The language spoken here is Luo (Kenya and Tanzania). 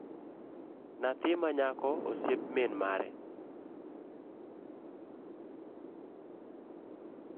Nyathi manyako osiep min mare